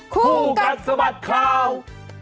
คู่กันสมัติข่าว